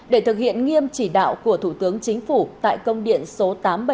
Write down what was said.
để thực hiện nghiêm chỉ đạo của thủ tướng chính phủ tại công điện số tám trăm bảy mươi ba